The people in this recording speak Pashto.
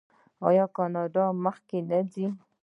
آیا کاناډا مخکې نه ځي؟